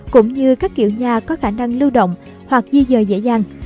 cũng như các kiểu nhà có khả năng lưu động hoặc di dời dễ dàng